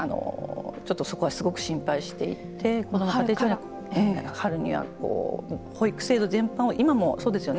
ちょっとそこはすごく心配していて保育制度全般を今もそうですよね。